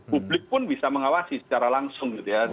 publik pun bisa mengawasi secara langsung